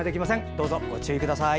どうぞご注意ください。